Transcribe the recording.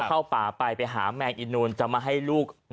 เข้าป่าไปไปหาแมงอีนูนจะมาให้ลูก